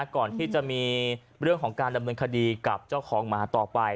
ก่อนที่จะมีเรื่องของการดำเนินคดีกับเจ้าของหมาต่อไป